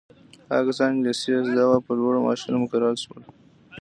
هغه کسان انګلیسي یې زده وه په لوړو معاشونو مقرر شول.